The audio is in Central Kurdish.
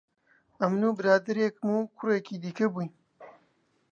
ئەمن و برادەرێکم و کوڕێکی دیکە بووین